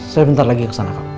saya sebentar lagi ke sana pak